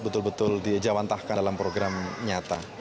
betul betul dijawantahkan dalam program nyata